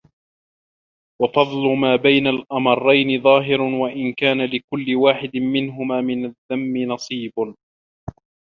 وَفَضْلُ مَا بَيْنَ الْأَمْرَيْنِ ظَاهِرٌ وَإِنْ كَانَ لِكُلِّ وَاحِدٍ مِنْهُمَا مِنْ الذَّمِّ نَصِيبٌ